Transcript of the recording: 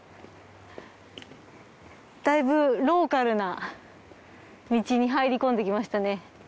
だいぶローカルな道に入り込んできましたね。